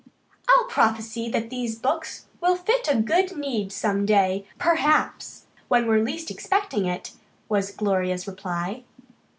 "I'll prophesy that these books will fill a good need some day, perhaps, when we're least expecting it," was Gloria's reply.